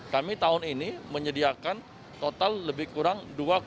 kami tahun ini menyediakan total lebih kurang